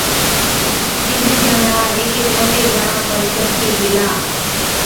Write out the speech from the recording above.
تِڏ ڄامڙا هيڪي موٽي بڻا پر چڙهتِي گيلا،